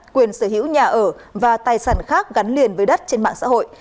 quyền sở hữu nhà ở và tài sản khác gắn liền với đất trên mạng xã hội